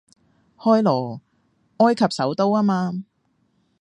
開羅，埃及首都吖嘛